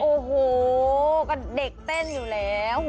โอ้โหก็เด็กเต้นอยู่แล้ว